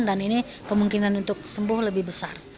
dan ini kemungkinan untuk sembuh lebih besar